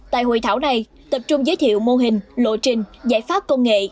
tại hội thảo này tập trung giới thiệu mô hình lộ trình giải pháp công nghệ